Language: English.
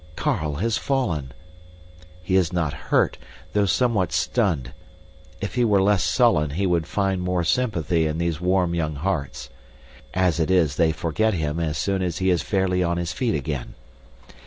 Carl has fallen. He is not hurt, though somewhat stunned. If he were less sullen he would find more sympathy in these warm young hearts. As it is they forget him as soon as he is fairly on his feet again.